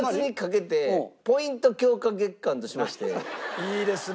いいですね。